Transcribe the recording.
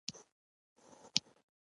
د محصل لپاره لوستل ذهني ارامتیا راولي.